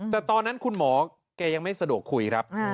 แต่ตอนนั้นคุณหมอแกยังไม่สะดวกคุยครับ